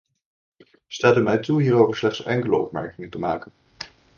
Staat u mij toe hierover slechts enkele opmerkingen te maken.